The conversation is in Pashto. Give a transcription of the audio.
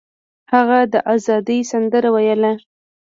هغه د ازادۍ سندره ویله.